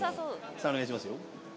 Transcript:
さあお願いしますよ。